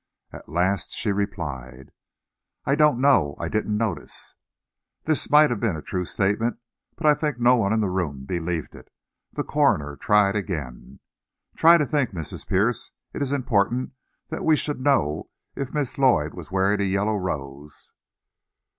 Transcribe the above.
At last she replied, "I don't know; I didn't notice." This might have been a true statement, but I think no one in the room believed it. The coroner tried again. "Try to think, Mrs. Pierce. It is important that we should know if Miss Lloyd was wearing a yellow rose."